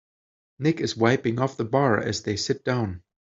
Nick is wiping off the bar as they sit down.